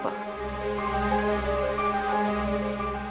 sekarang kalian semua keluar